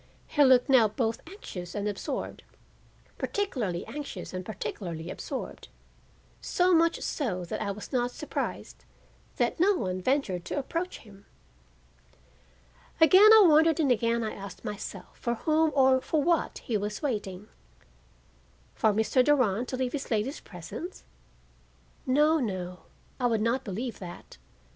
He looked now both anxious and absorbed, particularly anxious and particularly absorbed; so much so that I was not surprised that no one ventured to approach him. Again I wondered and again I asked myself for whom or for what he was waiting. For Mr. Durand to leave this lady's presence? No, no, I would not believe that.